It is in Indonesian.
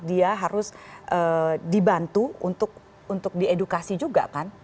dia harus dibantu untuk diedukasi juga kan